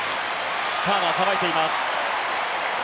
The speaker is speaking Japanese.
ターナー、さばいています。